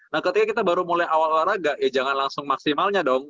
nah ketika kita baru mulai awal olahraga ya jangan langsung maksimalnya dong